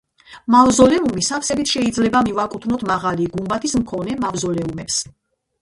მავზოლეუმი სავსებით შეიძლება მივაკუთნოთ მაღალი გუმბათის მქონე მავზოლეუმებს.